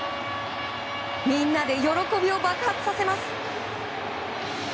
みんなで喜びを爆発させます。